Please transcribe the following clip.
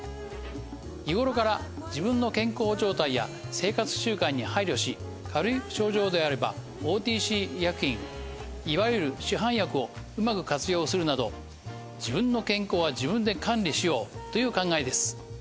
日ごろから自分の健康状態や生活習慣に配慮し軽い症状であればＯＴＣ医薬品いわゆる市販薬をうまく活用するなど自分の健康は自分で管理しようという考えです。